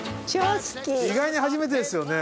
意外に初めてですよね。